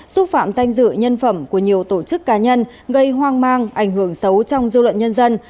xúc phạm danh dự nhân phẩm của nhiều tổ chức cá nhân gây hoang mang ảnh hưởng xấu trong dư luận nhân dân